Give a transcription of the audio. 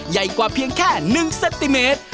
ใหญ่กว่าเพียงแค่๑เซนติเมตร